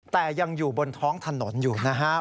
แต่ยังอยู่บนท้องถนนอยู่นะครับ